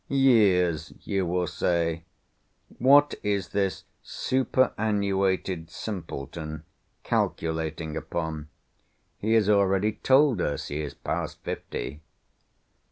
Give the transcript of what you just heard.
"Years," you will say! "what is this superannuated simpleton calculating upon? He has already told us, he is past fifty."